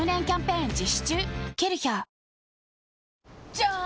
じゃーん！